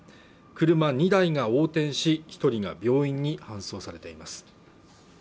車２台が横転し一人が病院に搬送されています